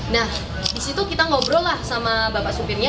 nah disitu kita ngobrol lah sama bapak supirnya